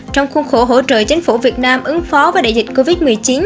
trong khuôn khổ hỗ trợ chính phủ việt nam ứng phó với đại dịch covid một mươi chín